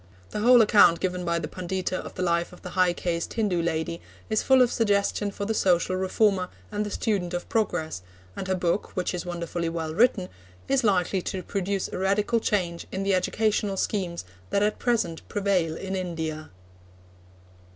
The whole account given by the Pundita of the life of the high caste Hindu lady is full of suggestion for the social reformer and the student of progress, and her book, which is wonderfully well written, is likely to produce a radical change in the educational schemes that at present prevail in India.